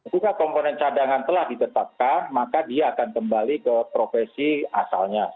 jika komponen cadangan telah ditetapkan maka dia akan kembali ke profesi asalnya